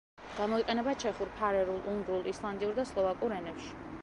გამოიყენება ჩეხურ, ფარერულ, უნგრულ, ისლანდიურ და სლოვაკურ ენებში.